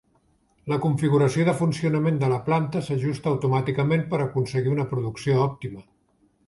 La configuració de funcionament de la planta s'ajusta automàticament per aconseguir una producció òptima.